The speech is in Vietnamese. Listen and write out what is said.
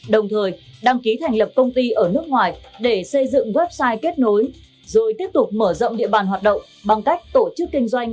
đồng thời đăng ký thành lập công ty ở nước ngoài để xây dựng website kết nối rồi tiếp tục mở rộng địa bàn hoạt động bằng cách tổ chức kinh doanh